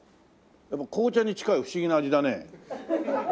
でも紅茶に近い不思議な味だね。